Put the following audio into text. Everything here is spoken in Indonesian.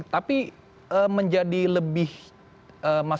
tapi menjadi lebih lebih jelas